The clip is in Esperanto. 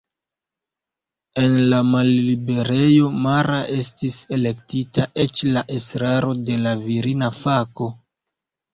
En la malliberejo Mara estis elektita eĉ la estraro de la virina fako.